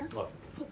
はい。